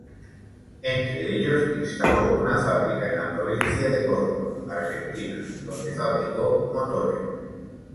Entre ellos, instaló una fábrica en la provincia de Córdoba, Argentina, donde fabricó motores.